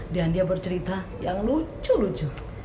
dan dia bercerita yang lucu lucu